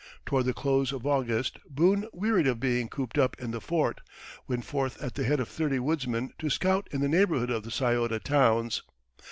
Toward the close of August Boone, wearied of being cooped up in the fort, went forth at the head of thirty woodsmen to scout in the neighborhood of the Scioto towns.